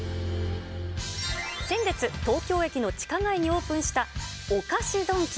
先月、東京駅の地下街にオープンしたお菓子ドンキ。